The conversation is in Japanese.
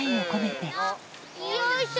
よいしょ！